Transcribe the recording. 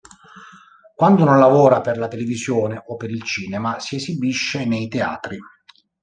Quando non lavora per la televisione o per il cinema si esibisce nei teatri.